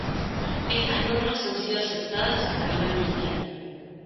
Estas Normas han sido aceptadas a nivel mundial.